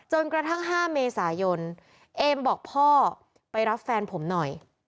กระทั่ง๕เมษายนเอมบอกพ่อไปรับแฟนผมหน่อย